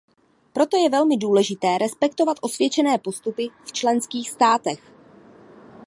Proto je velmi důležité respektovat osvědčené postupy v členských státech.